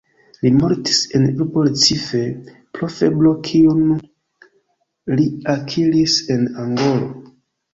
Li mortis en urbo Recife, pro febro kiun li akiris en Angolo.